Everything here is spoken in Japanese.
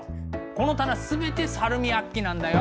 この棚すべてサルミアッキなんだよ。